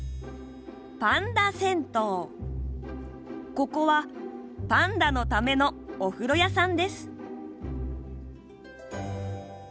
ここはパンダのためのおふろやさんです。